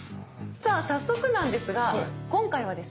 さあ早速なんですが今回はですね